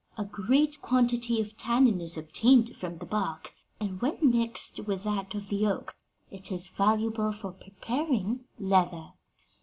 A great quantity of tannin is obtained from the bark; and when mixed with that of the oak, it is valuable for preparing leather.